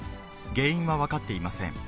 原因は分かっていません。